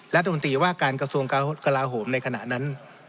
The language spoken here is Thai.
รัฐมนตรีว่าการกระทรวงกลาโหมในขณะนั้น